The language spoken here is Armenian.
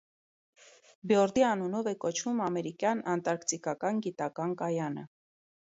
Բյորդի անունով է կոչվում ամերիկյան անտարկտիկական գիտական կայանը։